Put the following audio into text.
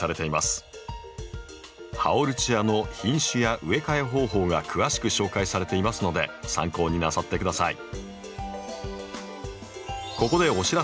ハオルチアの品種や植え替え方法が詳しく紹介されていますので参考になさって下さい。